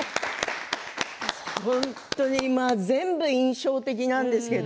全部印象的なんですけど。